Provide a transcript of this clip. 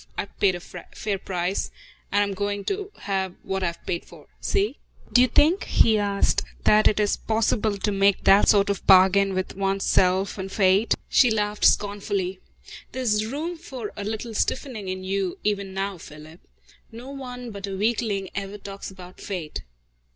I've paid a fair price, and I'm going to have what I've paid for. See?" "Do you think," he asked, "that it is possible to make that sort of bargain with one's self and fate?" She laughed scornfully. "There's room for a little stiffening in you, even now, Philip! No one but a weakling ever talks about fate.